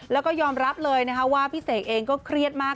แล้วก็ยอมรับเลยนะคะว่าพี่เสกเองก็เครียดมาก